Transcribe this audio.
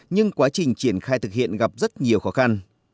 nhưng quá trình triển khai thực hiện gặp rất nhiều khó khăn